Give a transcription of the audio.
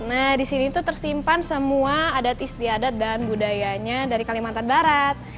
nah disini tersimpan semua adat istiadat dan budayanya dari kalimantan barat